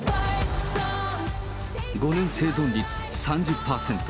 ５年生存率３０％。